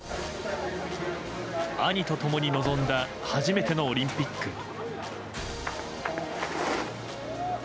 兄と共に臨んだ初めてのオリンピック。